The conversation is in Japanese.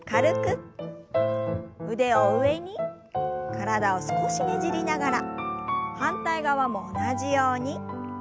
体を少しねじりながら反対側も同じように。